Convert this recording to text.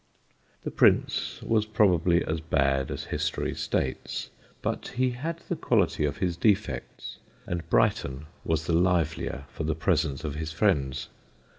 The Prince was probably as bad as history states, but he had the quality of his defects, and Brighton was the livelier for the presence of his friends.